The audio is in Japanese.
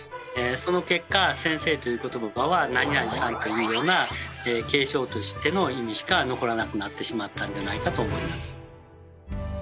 その結果先生という言葉は「何々さん」というような敬称としての意味しか残らなくなってしまったんじゃないかと思います。